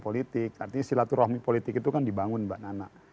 politik artinya silaturahmi politik itu kan dibangun mbak nana